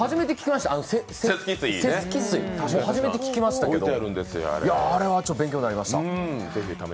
初めて聞きました、セスキ水あれは勉強になりました。